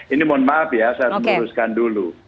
ini mohon maaf ya saya luruskan dulu